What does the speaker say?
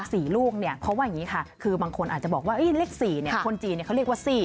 สี่ลูกเนี่ยเพราะว่าอย่างนี้ค่ะคือบางคนอาจจะบอกว่าเลขสี่เนี่ยคนจีนเขาเรียกว่าสี่